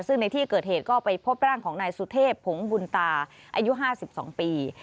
ซึ่งในที่เกิดเหตุก็ไปพบร่างของนายสุเทพผงบุญตาอายุ๕๒ปี